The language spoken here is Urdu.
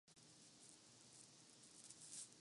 اس اصول کا اطلاق جدید اور قدیم، ہر فکرپر ہوتا ہے۔